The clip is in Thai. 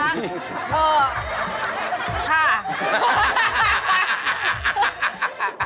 เอ่อค่ะ